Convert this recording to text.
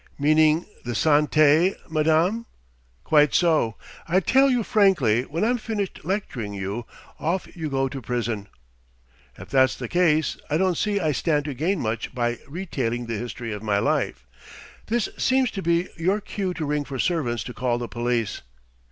"Meaning the Santé, madame?" "Quite so. I tell you frankly, when I'm finished lecturing you, off you go to prison." "If that's the case I don't see I stand to gain much by retailing the history of my life. This seems to be your cue to ring for servants to call the police."